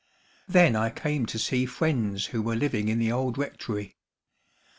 Then I came to see friends who were living in the old rectory.